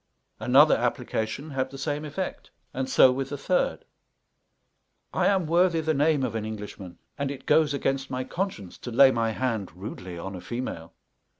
Another application had the same effect, and so with the third. I am worthy the name of an Englishman, and it goes against my conscience to lay my hand rudely on a female.